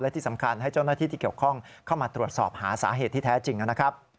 ที่สำคัญให้เจ้าหน้าที่ที่เกี่ยวข้องเข้ามาตรวจสอบหาสาเหตุที่แท้จริงนะครับ